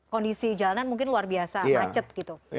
kondisi jalanan mungkin luar biasa macet gitu